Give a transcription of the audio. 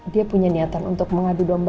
dia punya niatan untuk mengadu dong ya